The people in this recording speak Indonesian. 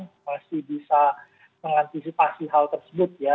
masih bisa mengantisipasi hal tersebut ya